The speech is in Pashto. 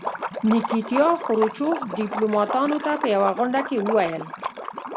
نیکیتیا خروچوف ډیپلوماتانو ته په یوه غونډه کې وویل.